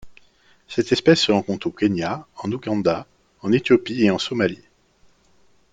Cette espèce se rencontre au Kenya, en Ouganda, en Éthiopie et en Somalie.